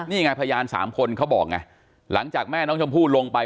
นี่ไงพยานสามคนเขาบอกไงหลังจากแม่น้องชมพู่ลงไป